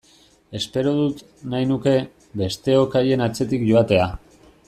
Espero dut, nahi nuke, besteok haien atzetik joatea!